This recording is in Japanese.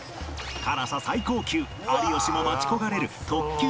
辛さ最高級有吉も待ち焦がれる特級